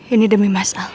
ini demi mas al